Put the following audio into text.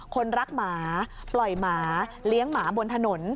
คนรักหมาปล่อยหมาเลี้ยงหมาบนถนน